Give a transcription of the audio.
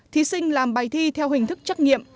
thí sinh làm bài thi theo hình thức trắc nghiệm